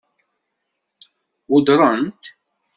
Weddṛen-t?